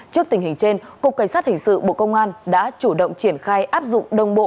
trước tình hình trên cục cảnh sát hình sự bộ công an đã chủ động triển khai áp dụng đồng bộ